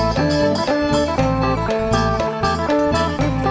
โชว์ฮีตะโครน